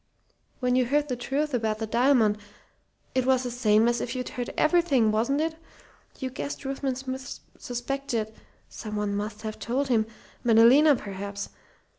"When you heard the truth about the diamond, it was the same as if you'd heard everything, wasn't it? You guessed Ruthven Smith suspected someone must have told him Madalena perhaps.